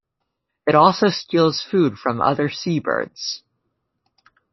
It also steals food from other seabirds.